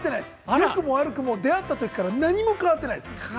良くも悪くも出会ったときから何も変わってないです。